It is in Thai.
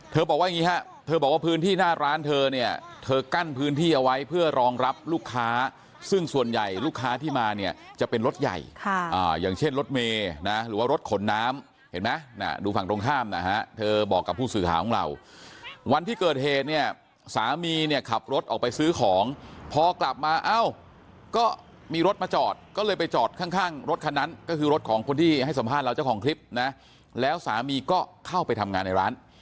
เธอบอกว่าอย่างงี้ฮะเธอบอกว่าพื้นที่หน้าร้านเธอเนี่ยเธอกั้นพื้นที่เอาไว้เพื่อรองรับลูกค้าซึ่งส่วนใหญ่ลูกค้าที่มาเนี่ยจะเป็นรถใหญ่อย่างเช่นรถเมล์นะหรือว่ารถขนน้ำเห็นไหมดูฝั่งตรงข้ามนะฮะเธอบอกกับผู้สื่อขาของเราวันที่เกิดเหตุเนี่ยสามีเนี่ยขับรถออกไปซื้อของพอกลับมาเอ้าก็มีร